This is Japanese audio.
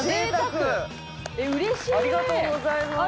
ありがとうございます。